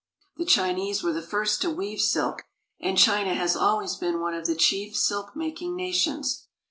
The Chinese were the first to weave silk, and China has always been one of the chief silk mak ing nations.